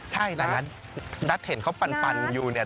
ใช่แต่นัทเห็นเขาปั่นอยู่เนี่ย